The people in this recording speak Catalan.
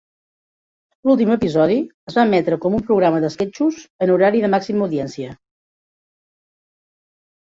L'últim episodi es va emetre com un programa d'esquetxos en horari de màxima audiència.